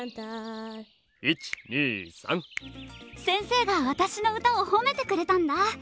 先生が私の歌を褒めてくれたんだ。